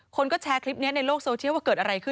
คนก็แชร์คลิปนี้ในโลกโซเชียลว่าเกิดอะไรขึ้น